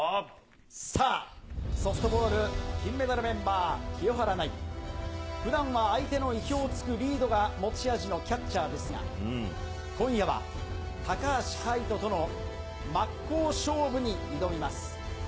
さあ、ソフトボール金メダルメンバー、清原奈侑。ふだんは相手の意表を突くリードが持ち味のキャッチャーですが、今夜は高橋海人との真っ向勝負に挑みます。